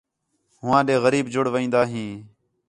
ہوآں ݙے غریب جڑوین٘دا ہیں